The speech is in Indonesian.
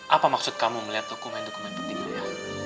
apa maksud kamu melihat dokumen dokumen petik lu ya